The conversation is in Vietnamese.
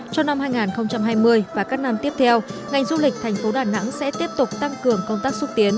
cho năm hai nghìn hai mươi và các năm tiếp theo ngành du lịch thành phố đà nẵng sẽ tiếp tục tăng cường công tác xúc tiến